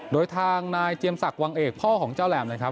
โดยทางนายเจียมศักดิวังเอกพ่อของเจ้าแหลมนะครับ